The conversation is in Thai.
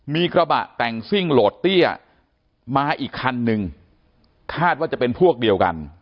มีกระบะแต่งซิ่งโหลดเตี้ยมาอีกคันนึงคาดว่าจะเป็นพวกเดียวกัน